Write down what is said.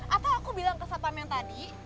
atau aku bilang ke satpam yang tadi